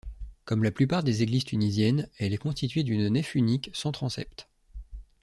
Comme la plupart des églises tunisiennes, elle est constituée d’une nef unique sans transept.